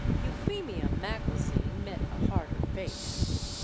Euphemia Macalzean met a harder fate.